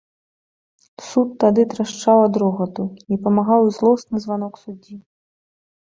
Суд тады трашчаў ад рогату, не памагаў і злосны званок суддзі.